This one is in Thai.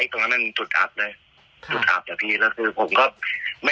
๒หมื่นครับเขาเรียกมา